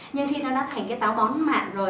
nhưng khi nó đã thành cái táo bón mạn rồi